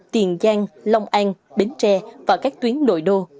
tiền giang long an bến tre và các tuyến nội đô